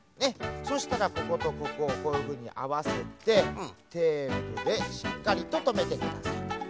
そしたらこことここをこういうふうにあわせてテープでしっかりととめてくださいね。